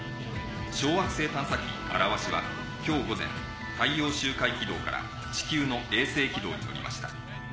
小惑星探査機「あらわし」は今日午前太陽周回軌道から地球の衛星軌道に乗りました。